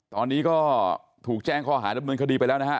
ตอนนี้ก็ถูกแจ้งข้ออาหารและเมืองคดีไปแล้วนะฮะ